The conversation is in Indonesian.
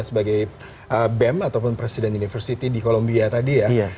sebagai bem ataupun presiden university di columbia tadi ya